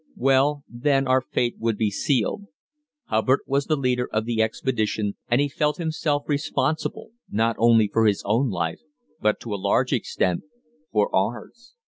Well, then, our fate would be sealed. Hubbard was the leader of the expedition and he felt himself responsible, not only for his own life, but, to a large extent, for ours.